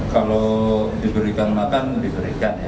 kalau diberikan makan diberikan ya